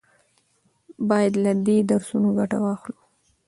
باید له دې درسونو ګټه واخلو.